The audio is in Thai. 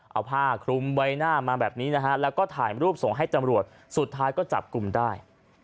เอาผ้าคลุมใบหน้ามาแบบนี้นะฮะแล้วก็ถ่ายรูปส่งให้ตำรวจสุดท้ายก็จับกลุ่มได้